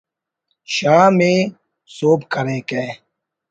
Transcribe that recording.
شام ءِ سہب کریکہ